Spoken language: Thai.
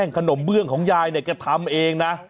ขนมเบื้องของยายเนี่ยแกทำเองนะ